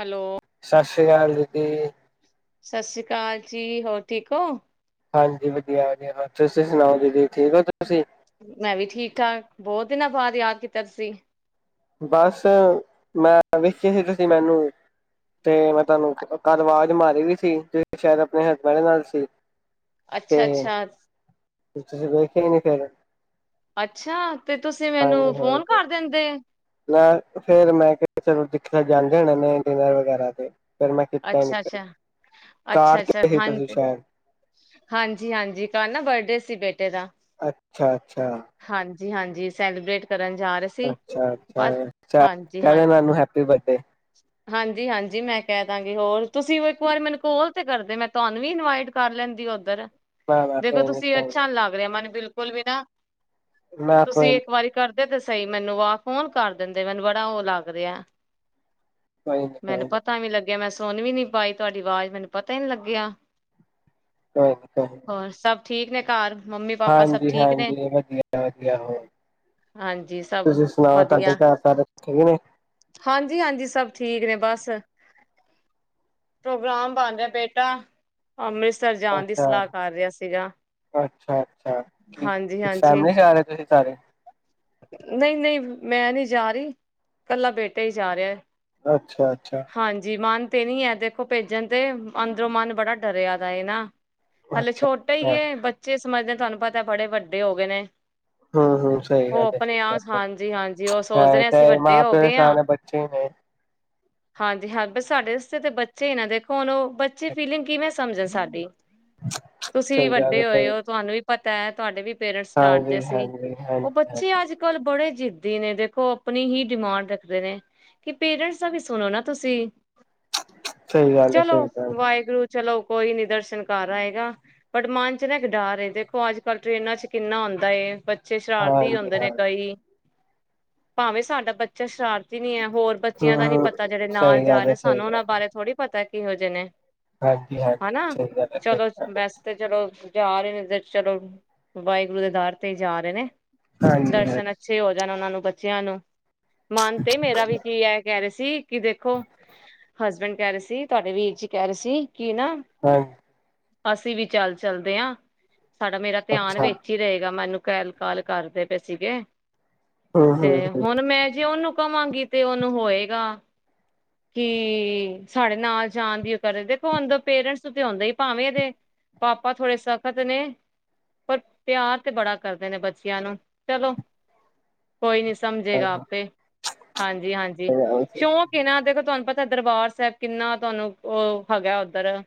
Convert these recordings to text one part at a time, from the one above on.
Hello ਸਤਿ ਸ੍ਰੀ ਆਕਾਲ ਜੀ। ਸਤਿ ਸ੍ਰੀ ਅਕਾਲ ਜੀ, ਹੋਰ ਠੀਕ ਔ? ਹਾਂਜੀ, ਵਧੀਆ ਵਧੀਆ ਤੁਸੀਂ ਸੁਣਾਓ ਦੀਦੀ ਠੀਕ ਹੋ ਤੁਸੀਂ। ਮੈਂ ਵੀ ਠੀਕ ਠਾਕ, ਬਹੁਤ ਦਿਨਾਂ ਬਾਅਦ ਯਾਦ ਕੀਤਾ ਤੁਸੀਂ। ਬਸ ਮੈਂ ਵੇਖੀ ਸੀ ਤੁਸੀਂ ਮੈਨੂੰ ਤੇ ਮੈਂ ਤੁਹਾਨੂੰ ਘਰ ਆਵਾਜ਼ ਮਾਰੀ ਵੀ ਸੀ ਜ ਸ਼ਾਇਦ ਆਪਣੇ ਹਸਬੈਂਡ ਨਾਲ ਸੀ। ਤੇ ਅੱਛਾ ਅੱਛਾ। ਤੁਸੀਂ ਵੇਖੇ ਹੀ ਨਹੀਂ ਫੇਰ ਅੱਛਾ ਤੇ ਤੁਸੀਂ ਮੈਨੂੰ ਹਾਂ ਫੋਨ ਕਰ ਦਿੰਦੇ। ਮਖਾ ਜਾਂਦੇ ਹੋਨੇ ਡਿਨਰ ਵਗੈਰਾ ਤੇ ਫਿਰ ਮੈਂ ਕੀਤਾ ਹੀ ਨੀ ਅੱਛਾ -ਅੱਛਾ- ਕਾਰ ਅੱਛਾ- ਅੱਛਾ, ਤੇ ਸੀ ਤੁਸੀਂ ਹਾਂਜੀ- ਸ਼ਾਇਦ ਹਾਂਜੀ- ਹਾਂਜੀ ਕਲ ਨਾ ਬਰਡ ਡੇ ਸੀ ਬੇਟੀ ਅੱਛਾ, ਅੱਛਾ। ਜੀ ਹਾਂਜੀ ਸੈਲੀਬ੍ਰੇਟ ਕਰਨ ਜਾ ਰਹੇ ਸੀ ਅੱਛਾ- ਬਸ ਅੱਛਾ ਹਾਂਜੀ ਕਹਿ ਦੇਣਾ ਹਾਂਜੀ ਓਨੂੰ ਹੈਪੀ ਬਰਡੇ ਹਾਂਜੀ, ਹਾਂਜੀ ਮੈਂ ਕਹਿ ਦਾਂ ਕਿ ਹੋਰ ਤੁਸੀਂ ਇੱਕ ਵਾਰ ਮੈਨੂੰ ਕੋਲ ਤੇ ਕਰਦੇ ਮੈਂ ਤੁਹਾਨੂੰ ਵੀ ਇਨਵਾਈਟ ਕਰ ਲੈਂਦੀ ਉੱਧਰ ਨਾ ਨਾ ਦੇਖੋ ਕੋਈ ਨੀ ਤੁਸੀਂ ਕੋਈ ਅੱਛਾ ਨ ਲੱਗ ਰਿਹਾ ਮਨ ਬਿਲ ਕੁਲ ਵੀ ਨਾ ਨੀ ਨਾ ਕੋਈ ਤੁਸੀਂ ਨੀ ਇੱਕ ਵਾਰੀ ਕਰ ਤੇ ਸਹੀ ਮੈਨੂੰ ਆ ਫੋਨ ਕਰ ਦਿੰਦੇ, ਮੈਨੂੰ ਬੜਾ ਉਹ ਲੱਗ ਰਿਹਾ। ਕੋਈ ਨਹੀਂ, ਕੋਈ ਨਹੀਂ ਤੇ ਮੈਂ ਸੁਣ ਵੀ ਨੀ ਪਾਈ ਤੁਹਾਡੀ ਆਵਾਜ਼ ਮੈਨੂੰ ਪਤਾ ਹੀ ਨਹੀਂ ਲੱਗਿਆ ਕੋਈ ਨੀ ਕੋਈ ਨੀ ਹੋਰ ਸਭ ਠੀਕ ਨੇ ਘਰ ਮੰਮੀ ਪਾਪਾ ਸਭ ਹਾਂਜੀ- ਠੀਕ ਨੇ ਹਾਂਜੀ, ਵਧੀਆ- ਵਧੀਆ ਹੋਰ ਹਾਂਜੀ ਸਭ ਤੁਸੀਂ ਸੁਣਾਓ ਤੁਹਾਡੇ ਘਰ ਸਾਰੇ ਠੀਕ ਨੇ। ਹਾਂਜੀ-ਹਾਂਜੀ ਸਭ ਠੀਕ ਨੇ, ਬਸ ਪ੍ਰੋਗਰਾਮ ਬਣ ਰਿਹਾ ਬੇਟਾ ਅੰਮ੍ਰਿਤਸਰ ਜਾਣ ਦੀ ਅੱਛਾ ਸਲਾਹ ਕਰ ਰਿਹਾ ਸੀਗਾ, ਅੱਛਾ ਅੱਛਾ ਕੀ ਹਾਂਜੀ- ਹਾਂਜੀ, ਫੈਮਲੀ ਚ ਆ ਰਹੇ ਤੁਸੀਂ ਸਾਰੇ ਨਹੀਂ- ਨਹੀਂ ਮੈਂ ਨਹੀਂ ਜਾ ਰਹੀ। ਇਕੱਲਾ ਬੇਟਾ ਹੀ ਜਾ ਰਿਹਾ ਹੈ। ਅੱਛਾ, ਅੱਛਾ। ਤੇ ਨੀ ਹੈ ਦੇਖੋ ਭੇਜਣ ਤੇ ਅੰਦਰੋਂ ਮਨ ਬੜਾ ਡਰਿਆ ਦੇ ਅ ਨਾ ਹਲੇ ਅੱਛਾ ਛੋਟਾ ਈ ਅੱਛਾ ਐ ਬੱਚੇ ਸਮਝਦੇ ਤੁਹਾਨੂੰ ਪਤਾ ਬੜੇ ਵੱਡੇ ਹੋ ਗਏ ਨੇ। ਹੂੰ- ਹੂੰ ਸਹੀ ਉਹ ਗੱਲ ਆਪਣੇ ਹੈ, ਆਪ ਹਾਂਜੀ-ਹਾਂਜੀ ਉਹ ਸੋਚਦੇ ਹੈ ਨੇ ਅਸੀਂ ਤੇ ਵੱਡੇ ਨਾਂ ਹੋ ਗਏ ਆ। ਪਰੇਸ਼ਾਨ ਬੱਚੇ ਨੇ ਹਾਂਜੀ ਹਾਂ, ਬ ਸਾਡੇ ਵਾਸਤੇ ਤਾਂ ਬੱਚੇ ਹੀ ਨਾ ਦੇਖੋ ਹੁਣ ਉਹ ਬੱਚੇ ਫੀਲਿੰਗ ਕਿਵੇਂ ਸ ਸਮਝਣ ਸਾਡੀ ਤੁਸੀਂ ਵੀ ਸਹੀ ਗੱਲ ਹੈ ਵੱਡੇ ਹੋਏ ਸਹੀ ਹੋ ਤੁਹਾਨੂੰ ਵੀ ਪਤਾ ਹੈ ਤੁਹਾਡੇ ਵੀ ਪੇਰੈਂਟਸ ਡਾਂਟ ਦੇ ਹਾਂਜੀ ਸੀ ਹਾਂਜੀ ਉਹ ਹਾਂਜੀ ਬੱਚੇ ਹਾਂਜੀ ਅੱਜ ਕੱਲ੍ਹ ਬੜੇ ਜਿੱਦ ਜਿਵੇਂ ਦੇਖੋ ਆਪਣੀ ਹੀ ਡਿਮਾਂਡ ਰੱਖਦੇ ਨੇ ਕਿ ਪੇਰੈਂਟਸ ਦਾ ਵੀ ਸੁਣੋ ਨਾ ਤੁਸੀਂ ਸਹੀ ਗੱਲ ਹੈ ਚਲੋ ਸਹੀ ਗੱਲ ਵਾਹਿਗੁਰੂ ਚਲੋ ਕੋਈ ਨੀ ਦਰਸ਼ਨ ਕਰ ਆਏਗਾ ਪਰ ਮਨ ਚ ਨਾ ਇੱਕ ਡਰ ਦੇਖੋ ਅੱਜ ਕੱਲ ਟ੍ਰੇਨਾਂ ਚ ਕਿੰਨਾ ਹੁੰਂਦਾ ਏ ਬੱਚੇ ਸ਼ਰਾਰਤੀ ਹਾਂਜੀ ਹੁੰਦੇ ਹਾਂ ਨੇ ਕਈ ਭਾਵੇਂ ਸਾਡਾ ਬੱਚਾ ਸ਼ਰਾਰਤ ਨੀ ਹੈ ਹੋਰ ਹੂੰ ਬੱਚਿਆਂ ਦਾ ਨੀ ਹੂੰ ਪਤਾ ਜਿਹੜੇ ਨਾਲ ਸਹੀ ਜਾ ਰੇ ਗੱਲ ਹੈ ਨੇ ਸਹੀ ਸਾਨੂੰ ਗੱਲ ਉਹਨਾਂ ਬਾਰੇ ਥੋੜ੍ਹੀ ਪਤਾ ਹੈ ਕੀ ਹੋ ਜੇ ਨੇ - ਹਾਂਜੀ ਹਾਂਜੀ ਸਹੀ ਗੱਲ ਹੈ- ਵੈਸੇ ਤੇ ਚਲੋ ਜਾ ਰਹੇ ਨੇ ਚਲੋ ਵਾਹਿਗੁਰੂ ਦੇ ਦਰ ਤੇ ਜਾ ਰਹੇ ਨੇ- ਹਾਂਜੀ ਹਾਂਜੀ ਦਰਸ਼ਨ ਅਛੇ ਹੋ- ਉਹਨਾਂ ਨੂੰ ਬੱਚਿਆਂ ਨੂੰ- ਮਨ ਤੇ ਮੇਰਾ ਵੀ ਕੀ ਹੈ ਕਹਿ ਰਹੇ ਸੀ- ਸੀ ਕੀ ਦੇਖੋ ਹਸਬੈਂਡ ਕਹਿ ਰਹੇ ਸੀ ਤੁਹਾਡੇ ਵੀਰ ਜੀ ਕਹਿ ਰਹੇ ਸੀ- ਕੀ ਨਾ- ਹਾਂਜੀ ਅਸੀਂ ਵੀ ਚੱਲ ਚਲਦੇ ਹਾਂ- ਸਾਡਾ ਮੇਰਾ ਧਿਆਨ ਅੱਛਾ ਵਿੱਚ ਹੀ ਰਹੇਗਾ ਮੈਨੂੰ- ਬੈਕ ਕਾਲ ਕਰਦੇ ਪਏ ਸੀਗੇ ਹੂੰ ਤੇ ਹੂੰ ਹੁਣ ਮੈਂ- ਕਵਾਂਗੀ ਤੇ ਉਹਨੂੰ ਹੋਏਗਾ ਕਿ ਸਾਡੇ ਨਾਲ ਜਾਣ ਦੀ ਉਹ ਕਰੇ ਦੇਖੋ ਪੇਰੈਂਟਸ ਤੇ ਹੁੰਦੇ ਹੀ ਭਾਵੇਂ ਦੇ ਪਾਪਾ ਥੋੜੇ ਸਖਤ ਨੇ ਪਰ ਪਿਆਰ ਤੇ ਬੜਾ ਕਰਦੇ ਨੇ ਬੱਚਿਆਂ ਨੂੰ ਚਲੋ- ਕੋਈ ਨਹੀਂ ਸਮਝੇਗਾ ਹਾਂਜੀ ਹਾਂਜੀ ਹਾਂਜੀ ਸ਼ੌਕ ਇਹ ਨਾ ਦੇਖ ਤੁਹਾਨੂੰ ਪਤਾ- ਦਰਬਾਰ ਸਾਹਿਬ ਕਿੰਨਾ ਤੁਹਾਨੂੰ ਉਹ ਹੈਗਾ ਉੱਧਰ-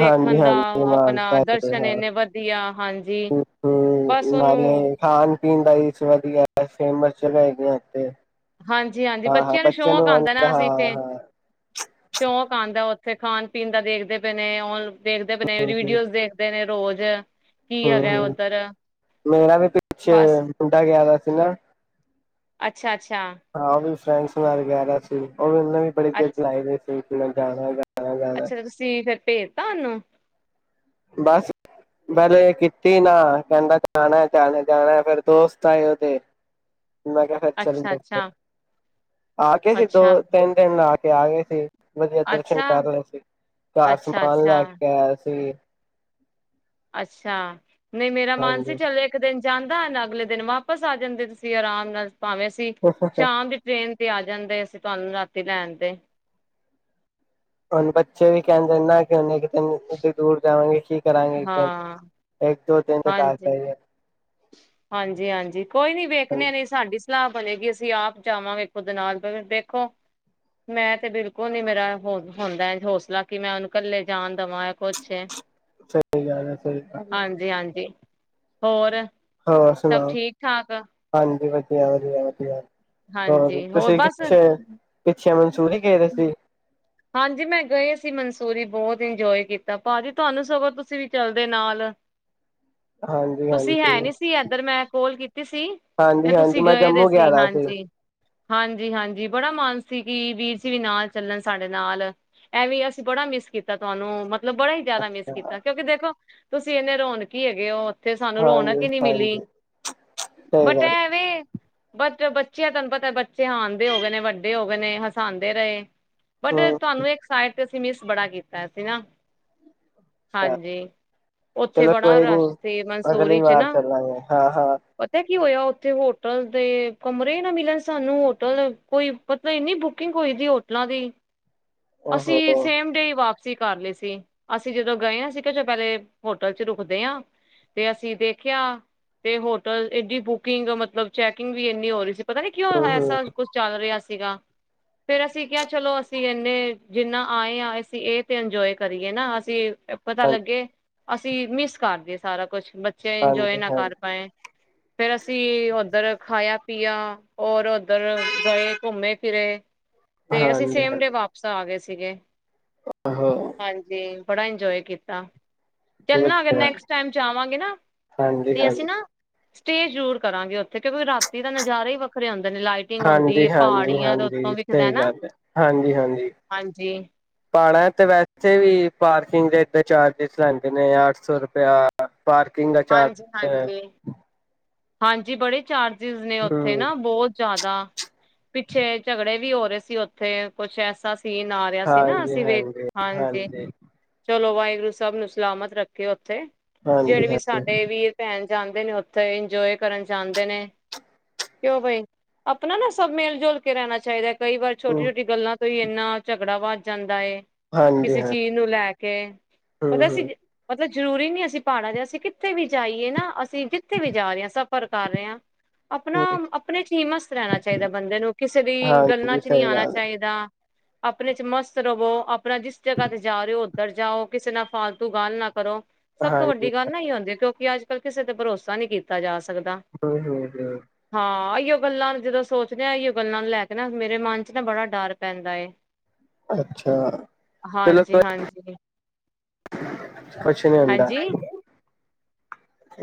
ਹਾਂਜੀ ਦਾ ਹਾਂਜੀ ਆਪਣਾ ਮਾਨਤਾ ਤੇ ਦਰਸ਼ਨ ਹੈ ਇੰਨੇ ਵਧੀਆ ਹਾਂਜੀ ਬਸ ਉਹਨੂੰ ਨਾਲੇ- ਪਿੰਡਾਂ ਵਧੀਆ ਫੇਮਸ ਜਗ੍ਹਾ ਹੈਗੀ ਆਂੱਥੇ ਹਾਂਜੀ ਹਾਂਜੀ ਬੱਚਿਆਂ ਨੂੰ ਸ਼ੌਂਕ ਆਉਂਦਾ ਹਾਂ ਨਾ ਅਸੀਂ ਇੱਥੇ ਹਾਂ ਸ਼ੌਕ ਆਉਂਦਾ ਉਥੇ- ਖਾਣ ਪੀਣ ਦਾ ਦੇਖਦੇ ਪਏ ਨੇ ਉਹ- ਦੇਖਦੇ ਪ ਹੂੰ ਵੀਡੀਓਜ਼ ਦੇਖਦੇ ਨੇ- ਰੋਜ਼- ਕੀ ਹੈਗਾ ਉੱਧਰ ਮੇਰਾ ਵੀ ਪਿੱਛੇ ਬਸ ਮੁੰਡਾ ਗਿਆ ਦਾ ਸੀ ਨਾ- ਅੱਛਾ -ਅੱਛਾ ਹ [inaudible] ਫਰੈਂਡਸ ਨਾਲ ਵਗੈਰਾ ਸੀ, ਉਹ ਵੀ ਨਵੇਂ ਬੜੇ ਅੱ ਗੇਟ ਲਾਏ ਨੇ [unintelligible] ਅੱਛਾ, ਤਾਂ ਤੁਸੀਂ ਫੇਿਰ ਪੇਜ ਤਾ ਉਨੂੰ ਬਸ ਵਲੇ ਕੀਤੀ ਨਾ ਕਹਿੰਦਾ, ਜਾਣਾ -ਜਾਣਾ, ਜਾਣਾ ਫਿਰ ਦੋਸਤ ਆਏ ਉਦੇ- ਮੈਂ ਕਿਹਾ ਫਿਰ ਚੱਲ, ਅੱਛਾ ਅੱਛਾ ਆ ਕੇ ਸੀ ਦੋ ਅੱਛਾ ਤਿੰਨ ਦਿਨ ਦਾ ਕੇ- ਆ ਗਏ ਸੀ! ਵਧੀਆ ਦਰਸ਼ਨ ਅੱਛਾ ਕਰ ਰਹੇ ਸੀ, ਘਰ ਅੱਛਾ ਸਮਾਨ ਅੱਛਾ ਲੈ ਕੇ ਆਇਆ ਸੀ ਅੱਛਾ। ਨਹੀਂ ਮੇਰਾ ਮਨ ਸੀ, ਹਾਂਜੀ ਚੱਲ ਇੱਕ ਦਿਨ ਜਾਂਦਾ ਹੈ ਨਾ ਅਗਲੇ ਦਿਨ, ਵਾਪਸ ਆ ਜਾਂਦੇ ਤੁਸੀਂ ਆਰਾਮ ਨਾਲ ਭਾਵੇਂ ਅਸੀਂ, ਸ਼ਾਮ ਦੀ ਟ੍ਰੇਨ ਆ ਜਾਂਦੇ, ਅਸੀਂ ਤੁਹਾਨੂੰ ਰਾਤੀ ਲੈਣ ਤੇ ਹੁਣ ਬੱਚੇ ਵੀ ਕਹਿਨਦੇ ਨਾ, ਕਿ ਉਹਨੇ ਇੰਜ ਦੂਰ ਜਾਵਾਂਗੇ ਕੀ ਕਰਾਂਗੇ ਇੱਕ ਦਿਨ ਹਾਂ ਤਾਂ ਹੀ [inaudible] ਹਾਂਜੀ -ਹਾਂਜੀ, ਕੋਈ ਨੀ ਵੇਖਣੇ ਨਹੀਂ ਸਾਡੀ ਸਲਾਹ ਬਨੇਗੀ, ਅਸੀਂ ਆਪ ਜਾਵਾਂਗੇ, ਖੁਦ ਨਾਲ ਦੇਖੋ ਮੈਂ ਤੇ ਬਿਲਕੁਲ ਨੀ ਮੇਰਾ ਹੁੰਦਾ ਹੌਸਲਾ ਕਿ, ਮੈਂ ਉਹਨੂੰ ਕੱਲੇ ਜਾਣ ਦੇਵਾਂ ਕੁਛ ਸਹੀ ਗੱਲ ਹੈ ਸਹੀ ਗ ਹਾਂਜੀ-ਹਾਂਜੀ ਹੋਰ। ਹੋਰ ਸਭ ਸੁਣਾਓ, ਠੀਕ-ਠਾਕ ਹਾਂਜੀ ਵਧੀਆ। ਯ ਜ ਯ ਯ [inaudible] ਹਾਂਜੀ ਹੋਰ, ਤੁਸੀਂ ਬਸ ਪਿੱਛੇ -ਪਿੱਛੇ ਤੂੰ ਨਹੀਂ ਕਹਿ ਸੀ ਹਾਂਜੀ ਮੈਂ ਗਏ ਸੀ ਮਨਸੂਰੀ, ਬਹੁਤ ਇੰਜੋਏ ਕੀਤਾ ਭਾਜੀ ਤੁਹਾਨੂੰ, ਸਗੋਂ ਤੁਸੀਂ ਵੀ ਚਲਦੇ ਨਾਲ ਹਾਂਜੀ ਤੁਸੀਂ ਹਾਂਜੀ ਹੈ ਨਹੀਂ ਸੀ ਐਧਰ, ਮੈਂ ਕੋਲ ਕੀਤੀ ਸੀ, ਤੇ ਹਾਂਜੀ ਹਾਂਜੀ ਤੁਸੀਂ ਮੈਂ ਗਏ ਤੇ ਜੰਮੂ ਸੀ ਗਿਆ ਦਾ ਹਾਂਜੀ -ਹਾਂਜੀ ਹਾਂਜੀ ਬੜਾ ਮਨ ਸੀ ਕਿ ਵੀਰ ਜੀ ਵੀ ਨਾਲ ਚੱਲਣ ਸਾਡੇ ਨਾਲ, ਐਹ ਵੀ ਅਸੀਂ ਬੜਾ ਮਿਸ ਕੀਤਾ ਤੁਹਾਨੂੰ ਮ ਮਤਲਬ, ਬੜਾ ਹੀ ਜ਼ਿਆਦਾ ਮਿਸ ਅੱਛਾ ਕੀਤਾ ਕਿਉਂਕਿ ਦੇਖੋ ਤੁਸੀਂ ਇੰਨੇ ਰੋਨ ਕੀ ਹੇਗੇ ਓ। ਓਥੇ ਸਾਨੂੰ ਰੌਣਕ ਹਾਂਜੀ ਹੀ ਨੀ ਮਿਲੀ, ਹਾਂਜੀ ਸਹੀ ਬਟ ਗੱਲ ਐਵੇਂ ਬਟ ਬੱਚਿਆਂ ਤੁਹਾਨੂੰ ਪਤਾ ਬੱਚੇ ਹਾਂਣ ਦੇ ਹੋ ਗਏ ਨੇ ਵੱਡੇ ਹੋ ਗਏ ਨੇ ਹਸਾਂਦੇ ਰਏ। ਬਟ ਹਮ ਤੁਹਾਨੂੰ ਇੱਕ ਸਾਇ ਤੇ ਅਸੀਂ ਮਿਸ ਬੜਾ ਕੀਤਾ ਸੀ ਨਾ! ਅੱਛਾ ਹਾਂਜੀ, ਉੱਥੇ ਚਲੋ ਬੜਾ ਕੋਈ ਰਸ਼ ਨੀ ਸੀ ਅਗਲੀ ਮਨਸੂਰੀ ਚ ਵਾਰ ਨਾ ਚੱਲਾਂਗੇ ਹਾਂ ਹਾਂ ਪਤਾ ਐ ਕੀ ਹੋਇਆ ਉੱਥੇ ਹੋਟਲ ਦੇ ਕਮਰੇ ਈਂ ਨਾਂ ਮਿਲਣ ਸਾਨੂੰ ਹੋਟਲ ਕੋਈ ਮਤਲਬ ਇੰਨੀ ਬੁਕਿੰਗ ਹੋਈ ਦੀ ਹੋਟਲਾਂ ਦੀ ਓਹੋ ਅਸੀਂ ਹੂੰ ਸੇਮ ਡੇ ਵਾਪ ਸੀ ਕਰ ਲੀਸੀ ਅਸੀਂ ਜਦੋਂ ਗਏ ਆ ਸੀ ਜੋ ਪਹਿਲੇ ਹੋਟਲ ਚ ਰੁਕਦੇ ਆਂ ਤੇ ਅਸੀਂ ਦੇਖਿਆ ਤੇ ਹੋਟਲ ਏਡੀ ਬੁਕਿੰਗ ਮਤਲਬ ਚੈਕਿੰਗ ਵੀ ਇੰਨੀ ਹੋ ਰਹੀ ਸੀ। ਪਤਾ ਨੀ ਕਿਉਂ ਹੂੰ ਐਸਾ ਕੁਛ ਚੱਲ ਰਿਹਾ ਸੀ। ਸੀਗਾ ਫੇਰ ਅਸੀਂ ਕਿਹਾ ਚਲੋ ਅ ਅਸੀਂ ਇੰਨੇ ਜਿੰਨਾਂ ਆਏ ਆਂ, ਅਸੀਂ ਇਹ ਤੇ ਇੰਜੋਏ ਕਰੀਏ ਨਾ ਅਸੀਂ ਪਤਾ ਹਾਂ ਲੱਗੇ। ਅਸੀ ਮਿਸ ਕਰ ਗਏ ਸਾਰਾ ਕੁਛ। ਬੱਚੇ ਇੰਜੋਯ ਹਾਂਜੀ ਨਾ ਹਾਂਜੀ ਕਰ ਪਾਏ। ਫੇਰ ਅਸੀਂ ਔਧਰ ਖਾਇਆ ਪੀਆ, ਹੋਰ ਔਧਰ ਗਏ ਘੁੰਮੇ ਫਿਰੇ ਤੇ ਅਸੀਂ ਹਾਂਜੀ ਸੇਮ ਡੇ ਹਾਂਜੀ ਵਾਪਸ ਆ ਗਏ ਸੀ ਸੀਗੇ। ਓਹੋ ਹਾਂਜੀ। ਬੜਾ ਇੰਜੋਯ ਕੀਤਾ। ਚੱਲਨਾ ਅਗਰ ਵਧੀਆ ਨੇਕ੍ਸ੍ਟ ਟਾਈਮ ਜਾਵਾਂਗੇ ਨਾ ਹਾਂਜੀ ਤੇ ਅਸੀਂ ਹਾਂਜੀ ਨਾ ਸਟੇ ਜ਼ਰੂਰ ਕਰਾਂਗੇ ਔਥੇ ਕਿਉਂਕਿ ਰਾਤੀ ਦਾ ਨਜ਼ਾਰਾ ਹੀ ਵੱਖਰੇ ਹੁੰਦ ਲਾਈਟਿੰਗ ਹੁੰਂਦੀ ਏ, ਹਾਂਜੀ ਹਾਂਜੀ ਪਹਾੜੀਆਂ ਦੇ ਉਤੋਂ ਹਾਂਜੀ ਵਿਖਦਾ ਸਹੀ ਏਨਾਂ। ਗੱਲ ਹੈ ਹਾਂਜੀ ਹਾਂਜੀ। ਪਹਾੜਾਂ ਚ ਤਾਂ ਵੈਸੇ ਵੀ ਪਾਰਕਿੰਗ ਦੇ ਏੜੇ ਚਾਰਜਿਸ ਲੈਂਦੇ ਨੇ ਅੱਠ ਸੌ ਰੁਪਆ ਪਾਰਕਿੰਗ ਕਾ ਚਾਰਜ ਹਾਂਜੀ ਏ। ਹਾਂਜੀ ਹਾਂਜੀ ਬੜੇ ਚਾਰ ਜਿਸ ਨੇ ਔਥੇ ਹੂੰ ਨਾ ਬਹੁਤ ਜ਼ਿਆਦਾ, ਪਿੱਛੇ ਝਗੜੇ ਵੀ ਹੋ ਰਹੇ ਸੀ ਔਥੇ ਕੁਛ ਐਸਾ ਸੀਨ ਆ ਰਿਹਾ ਸੀ ਨਾ ਹਾਂਜੀ ਅਸੀਂ ਵੇ ਹਾਂਜੀ ਹਾਂਜੀ ਚਲੋ ਵਾਹੇ ਚਲੋ ਸਭ ਨੂੰ ਸਲਾਮਤ ਰੱਖੇ ਓਥ ਥੇ ਹਾਂਜੀ ਜਿਹੜੇ ਵੀ ਹਾਂਜੀ ਸਾਡੇ ਵੀਰ, ਭੈਣ ਜਾਂਦੇ ਨੇ ਔਥੇ ਇੰਜੋਯ ਕਰਨ ਜਾਂਦੇ ਨੇ, ਕਿਉਂ ਬਈ ਆਪਣਾ ਨਾ ਸਭ ਮਿਲਜੁਲ ਕੇ ਰਹਿਣਾ ਚਾਈਦਾ। ਕਈ ਵਾਰ ਹੂੰ ਛੋਟੀ-ਛੋਟੀ ਗੱਲਾਂ ਤ ਤੋਂ ਹੀ ਇੰਨਾ ਝਗੜਾ ਵੱਧ ਜਾਂਦਾ ਏ। ਹਾਂਜੀ ਕਿਸੇ ਹਾਂ ਚੀਜ਼ ਨੂੰ ਲੈ ਕੇ। ਹੂੰ ਪਤਾ ਅਸੀਂ ਹੂੰ ਪਤਾ ਜ਼ਰੂਰੀ ਨੀ ਅਸੀਂ ਪਹਾੜਾਂ ਚ ਅਸੀਂ ਕਿੱਥੇ ਵੀ ਜਾਈਏ ਨਾ ਅਸੀਂ ਜਿੱਥੇ ਵੀ ਜਾ ਰਹੇ ਹਾਂ ਸਫਰ ਕਰ ਰਹੇ ਹਾਂ। ਆਪਣਾ ਆਪਣੇ ਚ ਹੀ ਮਸਤ ਰਹਿਣਾ ਚਾਹੀਦਾ ਬੰਦੇ ਨੂੰ, ਕਿਸੇ ਦੀ ਗੱਲਾਂ ਹਾਂਜੀ ਚ ਨਹੀਂ ਸਹੀ ਆਣਾ ਗੱਲ ਚਾਹੀਦਾ। ਆਪਣੇ ਚ ਮਸਤ ਰਵੋ, ਆਪਣਾ ਜਿਸ ਜਗ੍ਹਾ ਤੇ ਜਾ ਰਹੇ ਹੋ ਓਧਰ ਜਾਓ, ਕਿਸੇ ਨਾਲ ਫਾਲਤੂ ਗੱਲ ਨਾ ਕਰੋ। ਹੈ ਸਭ ਤੋਂ ਹਾਂਜੀ ਵੱਡੀ ਗੱਲ ਨਾ ਏਹੀ ਹੁੰਦੀ ਏ ਕਿ ਅੱਜ ਕੱਲ ਕਿਸੇ ਤੇ ਭਰੋਸਾ ਨਹੀਂ ਕੀ [unintelligible] ਸਕਦਾ, ਹੂੰ ਹੂੰ ਹੂੰ ਹਾਂ ਏਹੀ ਉਹ ਗੱਲਾਂ ਨੂੰ ਜਦੋਂ ਸੋਚਦੇ ਉਹ ਗੱਲਾਂ ਨੂੰ ਲੈ ਕੇ ਨਾ ਮੇਰੇ ਮਨ ਚ ਨਾ ਬੜਾ ਡਰ ਪੈਂਦਾ ਏ ਅੱਛਾ ਚਲੋ ਹਾਂਜੀ, ਹਾਂਜੀ, ਕੁਛ ਨੀ ਹੁੰਦਾ ਹਾਂਜੀ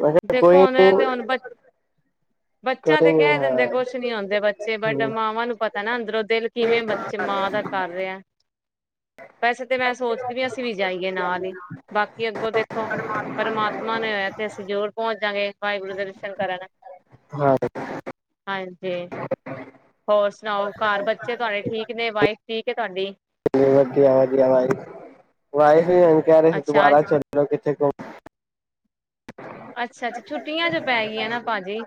ਅੱਛਾ ਦੇਖੋ ਕੋਈ ਹੁਣ ਨੀ ਇਹ ਹੁਣ ਬੱਚਾ ਤੇ ਕਰੇਗੇ ਕਹਿ ਹਾਂ ਦਿੰਦੇ ਕੁਛ ਨੀ ਆਉਂਦੇ ਬੱਚੇ ਬਟ ਹੂੰ ਮਾਵਾਂ ਨੂੰ ਪਤਾ ਨਾ ਅੰਦਰੋਂ ਦਿਲ ਕਿਵੇਂ ਬੱਚੇ ਮਾਂ ਦਾ ਕਰ ਰਿਹਾ ਵੈਸੇ ਤਾਂ ਮੈਂ ਸੋਚਦੀ ਵੀ ਅਸੀਂ ਵੀ ਜਾਈਏ ਨਾਲ ਹੀ ਬਾਕੀ ਅੱਗੋਂ ਦੇਖੋ ਪਰਮਾਤਮਾ ਨੇ ਹੋਇਆ ਤੇ ਅਸੀਂ ਜ਼ਰੂਰ ਪਹੁੰਚ ਜਾਂ ਗੇ ਵਾਹਿਗੁਰੂ ਦੇ ਦਰਸ਼ਨ ਕਰ ਹਾਂ ਹਾਂਜੀ ਹੋਰ ਸੁਣਾਓ ਘਰ ਬੱਚੇ ਤੁਹਾਡੇ ਠੀਕ ਨੇ ਵਾਈਫ ਠੀਕ ਤੁਹਾਡੀ ਵਧੀਆ ਵਧੀਆ ਵਾਈਫ ਵੀ ਕਹਿ ਰਹੇ ਸੀ ਅੱਛਾ ਅੱਜ ਦੁਬਾਰਾ ਚੱਲੋ ਕਿ ਦੇਖੋ ਅੱਛਾ ਅੱਛਾ ਛੁੱਟੀਆਂ ਚ ਪੈ ਗਈਆਂ ਨਾ ਭਾਜੀ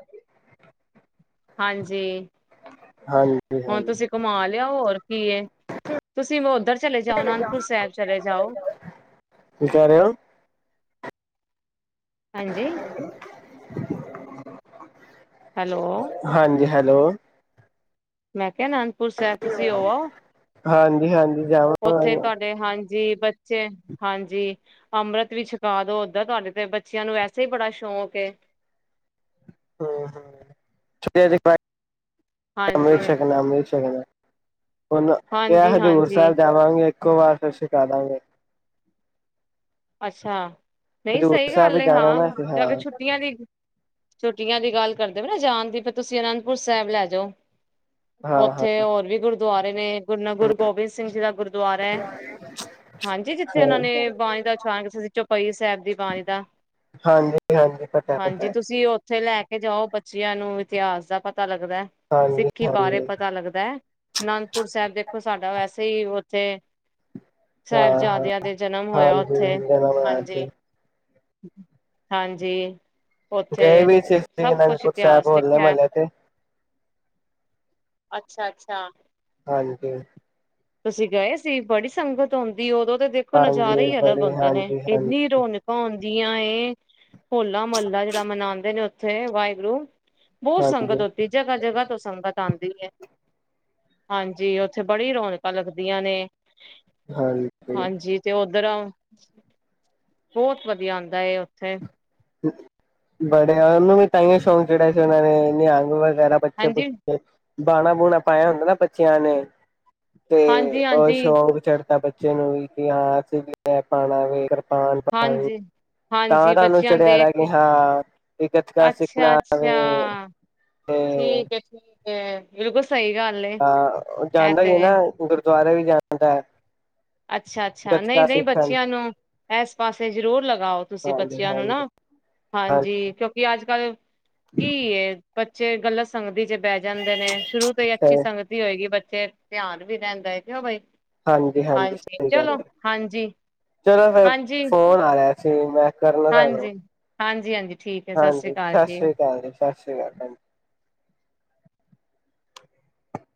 ਹਾਂਜੀ ਹਾਂਜੀ ਹੁਣ ਹਾਂਜੀ ਤੁਸੀਂ ਘੁਮਾ ਲਿਆਓ ਹੋਰ ਕੀ ਤੁਸੀਂ ਉੱਧਰ ਚਲੇ ਜਾਓ ਅਨੰਦਪੁਰ ਸਾਹਿਬ ਚਲੇ ਜਾਓ ਕੀ ਕਹਿ ਰਹੇ ਹੋ ਹਾਂਜੀ [unintelligible] ਹੈਲੋ ਹਾਂਜੀ ਹੈਲੋ ਮੈਂ ਕਿਹਾ ਅਨੰਦਪੁਰ ਸਾਹਿਬ ਤੁਸੀਂ ਹੋ ਆਓ ਹਾਂਜੀ ਹਾਂਜੀ ਜਾਵਾਂਗੇ ਉੱਥੇ ਤੁਹਾਡੇ ਹਾਂਜੀ ਹਾਂਜੀ ਅੰਮ੍ਰਿਤ ਵੀ ਛਕਾ ਦੋ ਓਦਾਂ ਤੁਹਾਡੇ ਤੇ ਬੱਚਿਆਂ ਨੂੰ ਵੈਸੇ ਹੀ ਬੜਾ ਸ਼ੌਂਕ ਹਮ [unintelligible] ਅਮ੍ਰਿਤ ਹਾਂਜੀ ਸ਼ਕਣਾ ਅੰਮ੍ਰਿਤ ਛੱਕਣਾ ਉਹਨਾਂ ਕਿਹਾ ਕਿ ਹਾਂਜੀ ਹਜ਼ੂਰ ਹਾਂਜੀ ਸਾਹਿਬ ਜਾਵਾਂਗੇ। ਇਕੋ ਵਾਰ ਫਿਰ ਸ਼ਿਕਾ ਦਾਂਗੇ। ਅੱਛਾ, ਨਹੀਂ ਹਜ਼ੂਰ ਸਹੀ ਸਾਹਿਬ ਗੱਲ ਵੀ ਜਾਣਾ ਹਾਂ ਨਾ ਅਸੀਂ ਤੇ ਹਾਂ ਅਗਰ ਛੁੱਟੀਆਂ ਦੀ ਛੁੱਟੀਆਂ ਦੀ ਗੱਲ ਕਰਦੇ ਪਏ ਓ ਨਾ ਜਾਣ ਦੀ ਫਿਰ ਤੁਸੀਂ ਅਨੰਦਪੁਰ ਸਾਹਿਬ ਲੈ ਜਾਓ। ਹਾਂ ਹਾਂ ਉੱਥੇ ਹੋਰ ਵੀ ਗੁਰ ਦੁਆਰੇ ਨੇ। ਗੁਰ ਗੁਰੂ ਗੋਬਿੰਦ ਸਿੰਘ ਜੀ ਦਾ ਗੁਰਦੁਆਰਾ ਹੈ, ਹਾਂਜੀ ਜਿੱਥੇ ਸਹੀ। ਉਹਨਾਂ ਨੇ ਬਾਣੀ ਦਾ ਛਾਂ ਕਿਸੇ ਦੀ ਚੌਪਈ ਸਾਹਿਬ ਦੀ ਬਾਣੀ ਦਾ ਹਾਂਜੀ ਹਾਂਜੀ ਪਤਾ ਹਾਂਜੀ ਪਤਾ ਤੁਸੀਂ ਉੱਥੇ ਲੈ ਕੇ ਜਾਓ ਬੱਚਿਆਂ ਨੂੰ ਇਤਿਹਾਸ ਦਾ ਪਤਾ ਪਤਾ ਲੱਗਦਾ ਹਾਂਜੀ ਸਿੱਖੀ ਬਾਰੇ ਹਾਂਜੀ ਪਤਾ ਲੱਗਦਾ ਐ, ਅਨੰਦਪੁਰ ਸਾਹਿਬ ਦੇਖੋ ਸਾਡਾ ਵੈਸੇ ਹੀ ਤੇੇ ਹਾਂ ਹਾਂ ਸਾਹਿਬਜ਼ਾਦਿਆਂ ਦੇ ਜਨਮ ਹੋਇਆ ਓ ਹਾਂਜੀ ਜਨਮ ਹੋਇਆ ਸੀ। [inaudible] ਹਾਂਜੀ। ਉੱਥੇ ਗਏ ਵੀ। ਸਭ ਕੁਛ ਇਤਿਹਾਸ ਲਿਖਿਆ ਅੱਛਾ, ਅੱਛਾ। ਹਾਂਜੀ। ਤੁਸੀਂ ਗਏ ਸੀ ਬੜੀ ਸੰਗਤ ਆਉਂਦੀ ਉਦੋਂ ਦੇ ਦੇਖੋ ਨਜ਼ਾਰੇ ਹਾਂਜੀ ਈ ਅਲੱਗ ਬੜੀ ਹੁੰਦੇ ਨੇ, ਹਾਂਜੀ ਹਾਂਜੀ ਇੰਨੀ ਰੌਨਕਾਂ ਹੁੰਦ ਜੀ ਆਂ ਇਹ ਹੋਲਾ-ਮਹੱਲਾ ਜਿਹੜਾ ਮਨਾਉਂਦੇ ਨੇ, ਉੱਥੇ ਵਾਹਿਗੁਰੂ। ਬਹੁਤ ਸੰਗਤ ਹਾਂਜੀ ਹੋਤੀ ਜਗਾ-ਜਗਾ ਤੋਂ ਸੰਗਤ ਆਂਦ ਹਾਂਜੀ ਉੱਥੇ ਬੜੀ ਰੌਣਕਾਂ ਲੱਗਦੀਆਂ ਨੇ। ਹਾਂਜੀ। ਉਦਰੋਂ ਬਹੁਤ ਵਧੀਆ ਹੁੰਦਾ ਏ ਉੱਥੇ। ਬੜੇ ਉਹਨੂੰ ਵੀ ਤਾਹੀਓ ਸ਼ੌਂਕ ਚੜਿਆ ਸੀ, ਉਹਨਾਂ ਨੇ ਨਿਹੰਗ ਵਰ ਵਗੈਰਾ ਬੱਚੇ ਹਾਂਜੀ ਬੁਚੇ ਬਾਣਾ- ਬੂਣਾ ਪਾਇਆ ਹੁੰਦਾ ਏ ਨਾ ਬੱਚਿਆਂ ਨੇ। ਤੇ ਹਾਂਜੀ ਅ ਹਾਂਜੀ ਸ਼ੌਕ ਚੜ ਬੱਚਿਆ ਨੂੰ ਵੀ ਕਿ ਹਾਂ ਅਸੀਂ ਵੀ ਏ ਪਾਂਣਾ ਵੇ ਕਰਪ ਹਾਂਜੀ- ਹਾਂਜੀ ਤੁਹਾਨੂੰ ਬੱਚਿਆਂ ਨੂੰ ਚੜਿਆ ਦੇਖ ਦਾ ਕੀ ਕੇ ਹਾਂ ਗਤਕਾ ਅੱਛਾ ਸਿੱਖਣਾ ਅੱਛਾ ਵੈ ਤੇ ਤੇ ਬਿਲਕੁਲ ਸਹੀ ਗੱਲ ਏ ਹਾਂ ਇਹ ਜਾਂਦਾ ਈ ਤੇ ਏ ਨਾ ਗੁਰਦ ਦੁਆਰੇ ਵੀ ਜਾਨਦਾ। ਅੱਛਾ ਅੱਛਾ ਨਹੀਂ ਨਹੀਂ ਬੱਚਿਆਂ ਨੂੰ ਏਸ ਪਾਸੇ ਜ਼ਰੂਰ ਲਗਾਓ ਤੁਸੀਂ ਹਾਂਜੀ ਬੱਚਿਆਂ ਨੂੰ ਹਾਂਜੀ ਹਾਂਜੀ ਨਾ ਹਾਂਜੀ ਕਿਉਂਕਿ ਅੱਜ ਕੱਲ ਕੀ ਏ ਬੱਚ ਚੇ ਗਲਤ ਸੰਗਤੀ ਚ ਪੇ ਜਾਂਦੇ ਨੇ ਸ਼ੁਰੂ ਤੋਂ ਹੀ ਅੱਛੀ ਸੰਗਤੀ ਹੋਏਗੀ ਬੱਚੇ ਫਿਰ ਧਿਆਨ ਵੀ ਰਹਿੰਦਾ ਹੈ ਕਿਉ ਬਈ। ਹਾਂਜ। ਹਾਂਜੀ ਚਲੋ ਹਾਂਜੀ। ਚਲੋ ਫੇਰ ਹਾਂਜੀ ਫੋਨ ਆਇਆ। ਸੀ ਮੈਂ ਕਰਨਾ ਹੈਲੋ ਹਾਂਜੀ ਹਾਂਜੀ ਹਾਂਜੀ ਠੀਕ ਹੈ ਸ੍ਰੀ ਹਾਂਜੀ ਅਕਾਲ ਸਤਿ ਜੀ ਸ੍ਰੀ ਅਕਾਲ ਜੀ ਸਤਿ ਸ੍ਰੀ ਆਕਾਲ